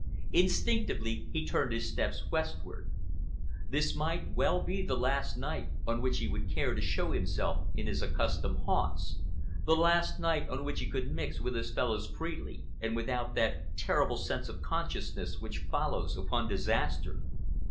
Instinctively he turned his steps westwards. This might well be the last night on which he would care to show himself in his accustomed haunts, the last night on which he could mix with his fellows freely, and without that terrible sense of consciousness which follows upon disaster.